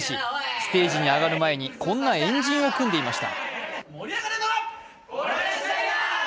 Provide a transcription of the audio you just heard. ステージに上がる前にこんな円陣を組んでいました。